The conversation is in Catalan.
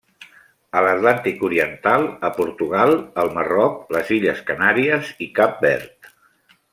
A l'Atlàntic oriental, a Portugal, el Marroc, les Illes Canàries i Cap Verd.